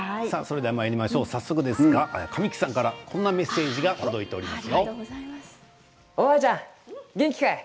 早速、神木さんからこんなメッセージが届いています。